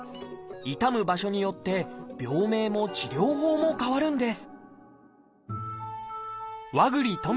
痛む場所によって病名も治療法も変わるんです